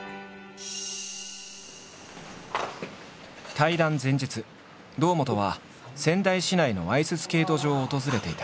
対談前日堂本は仙台市内のアイススケート場を訪れていた。